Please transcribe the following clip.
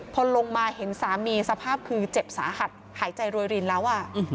พอลงมาเห็นสามีสภาพคือเจ็บสาหัสหายใจรวยรินแล้ว